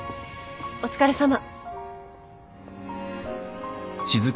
お疲れさま。